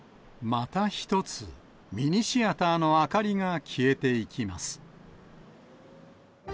また一つ、ミニシアターの明かりが消えていきます。